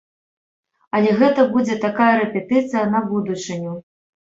Але гэта будзе такая рэпетыцыя на будучыню.